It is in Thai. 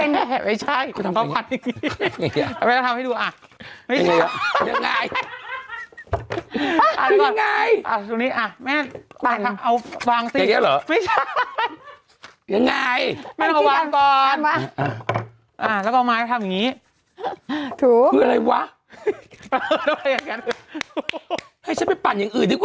ดรจิลสูตรใหม่ดูกระจ่างใสกว่าเดิมหัวเดียวตอบโจทย์ปัญหาผิว